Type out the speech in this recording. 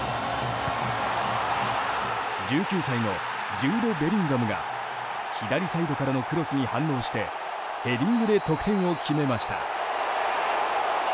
１９歳のジュード・ベリンガムが左サイドからのクロスに反応してヘディングで得点を決めました。